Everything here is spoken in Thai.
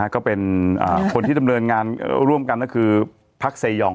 ก็เป็นคนที่ดำเนินงานร่วมกันก็คือพักเซยอง